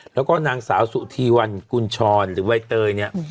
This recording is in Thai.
แล้วก็นางสาวสุธีวันกุญชรหรือใบเตยเนี่ย